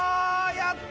やった！